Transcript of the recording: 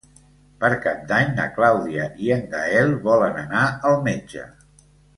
Per Cap d'Any na Clàudia i en Gaël volen anar al metge.